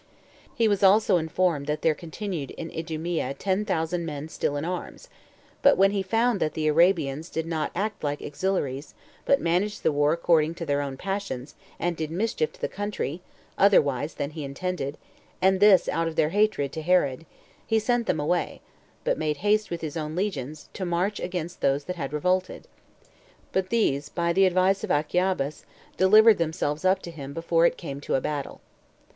3. He was also informed that there continued in Idumea ten thousand men still in arms; but when he found that the Arabians did not act like auxiliaries, but managed the war according to their own passions, and did mischief to the country otherwise than he intended, and this out of their hatred to Herod, he sent them away, but made haste, with his own legions, to march against those that had revolted; but these, by the advice of Achiabus, delivered themselves up to him before it came to a battle.